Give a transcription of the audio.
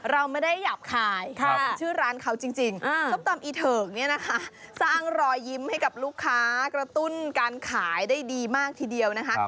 เราไม่ได้หยาบคายเป็นชื่อร้านเขาจริงส้มตำอีเถิกเนี่ยนะคะสร้างรอยยิ้มให้กับลูกค้ากระตุ้นการขายได้ดีมากทีเดียวนะคะ